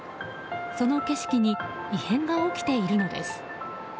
その景色に異変が起きているのです。